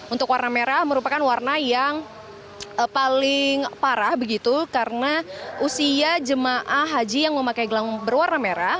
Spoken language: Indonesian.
untuk warna merah merupakan warna yang paling parah begitu karena usia jemaah haji yang memakai gelang berwarna merah